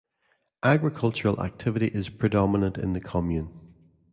Agricultural activity is predominant in the commune.